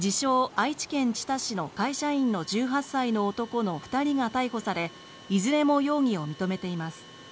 愛知県知多市の会社員の１８歳の男の２人が逮捕されいずれも容疑を認めています。